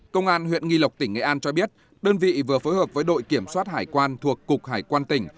công an huyện nghi lộc tỉnh nghệ an cho biết đơn vị vừa phối hợp với đội kiểm soát hải quan thuộc cục hải quan tỉnh